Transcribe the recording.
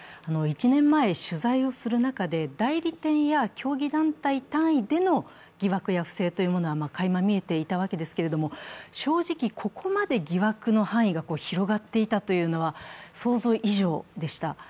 １年前、取材をする中で代理店や競技団体単位での疑惑や不正がかいま見えていたわけですけれども、正直ここまで疑惑の範囲が広がっていたというのは想像以上でした。